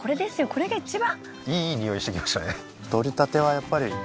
これが一番！